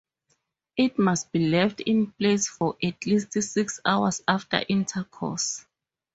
It must be left in place for at least six hours after intercourse.